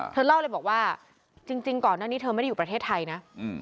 เธอเล่าเลยบอกว่าจริงก่อนหน้านี้เธอไม่ได้อยู่ประเทศไทยนะ